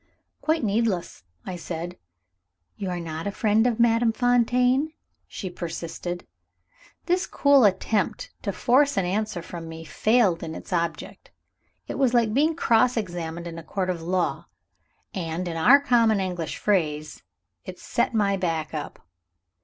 "Quite needless," I said. "You are not a friend of Madame Fontaine?" she persisted. This cool attempt to force an answer from me failed in its object. It was like being cross examined in a court of law; and, in our common English phrase, "it set my back up."